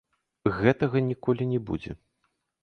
Гэтага ніколі не будзе.